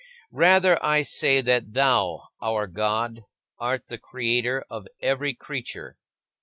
Rather, I say that thou, our God, art the Creator of every creature.